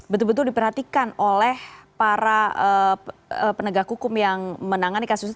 betul betul diperhatikan oleh para penegak hukum yang menangani kasus ini